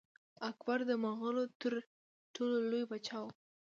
اکبر د مغولو تر ټولو لوی پاچا و.